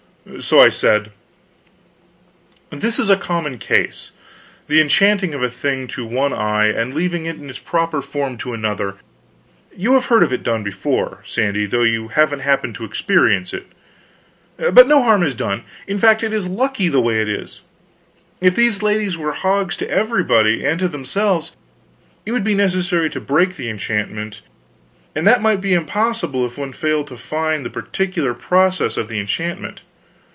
So I said: "This is a common case the enchanting of a thing to one eye and leaving it in its proper form to another. You have heard of it before, Sandy, though you haven't happened to experience it. But no harm is done. In fact, it is lucky the way it is. If these ladies were hogs to everybody and to themselves, it would be necessary to break the enchantment, and that might be impossible if one failed to find out the particular process of the enchantment.